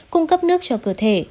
cung cấp nước cho cơ thể